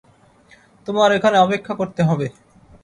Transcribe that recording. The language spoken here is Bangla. তোমার এখানে অপেক্ষা করতে হবে।